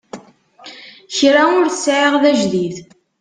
Kra ur t-sεiɣ d ajdid.